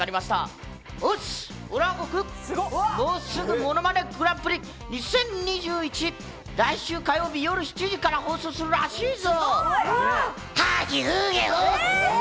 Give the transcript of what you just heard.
オッス、オラ悟空、もうすぐ『ものまねグランプリ２０２１』が来週火曜日、夜７時から放送するらしいぞ。